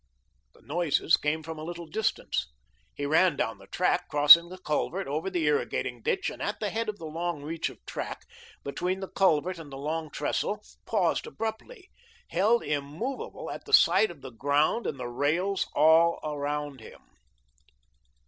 The noises came from a little distance. He ran down the track, crossing the culvert, over the irrigating ditch, and at the head of the long reach of track between the culvert and the Long Trestle paused abruptly, held immovable at the sight of the ground and rails all about him.